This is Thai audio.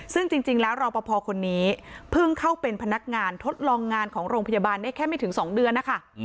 ซึ่งจริงแล้วรอปภคนนี้เพิ่งเข้าเป็นพนักงานทดลองงานของโรงพยาบาลได้แค่ไม่ถึง๒เดือนนะคะ